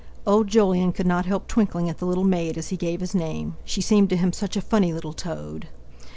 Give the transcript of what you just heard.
Old Jolyon could not help twinkling at the little maid as he gave his name. She seemed to him such a funny little toad!